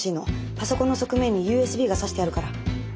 パソコンの側面にＵＳＢが差してあるから。